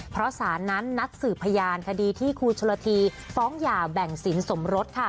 เพราะสารนั้นนัดสืบพยานคดีที่ครูชนละทีฟ้องหย่าแบ่งสินสมรสค่ะ